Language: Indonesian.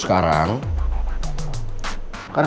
sok cuek kamu gue